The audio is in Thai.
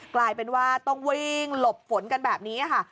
กลายเป็นว่าต้องวิ่งหลบฝนกันแบบนี้ค่ะ